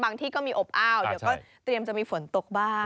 ที่ก็มีอบอ้าวเดี๋ยวก็เตรียมจะมีฝนตกบ้าง